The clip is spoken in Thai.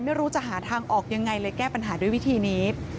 ไม่รู้จะหาทางออกยังไงเลยแก้ปัญหาด้วยวิธีนี้